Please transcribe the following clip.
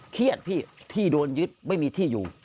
เครียดพี่ที่โดนยึดไม่มีที่อยู่